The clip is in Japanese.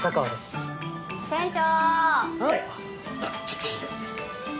あっちょっと失礼。